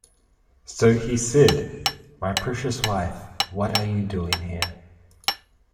So he said, "My precious wife, what are you doing here?"